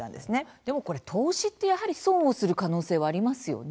でもこれ投資ってやはり損をする可能性はありますよね。